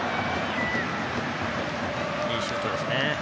いいシュートですね。